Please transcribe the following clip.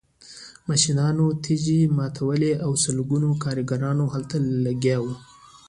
ماشینونو تیږې ماتولې او سلګونه کارګران هلته لګیا وو